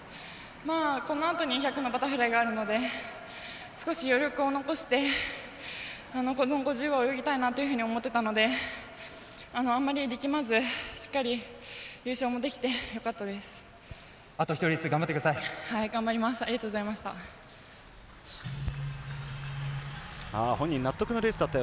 このあとに１００のバタフライがあるので少し、余力を残してこの５０は泳ぎたいなと思ってたので、あまり力まずしっかり優勝もできてあと１レースありがとうございました。